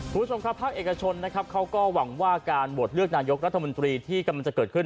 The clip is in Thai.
คุณผู้ชมครับภาคเอกชนนะครับเขาก็หวังว่าการโหวตเลือกนายกรัฐมนตรีที่กำลังจะเกิดขึ้น